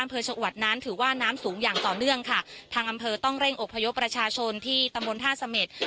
อำเภอชะอวดนั้นถือว่าน้ำสูงอย่างต่อเนื่องค่ะทางอำเภอต้องเร่งอบพยพประชาชนที่ตำบลท่าเสม็ด